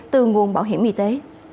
từ nguồn bảo hiểm y tế